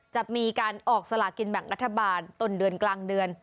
จะมีการออกสลากินแบ่งรัฐบาลต้นเดือนกลางเดือน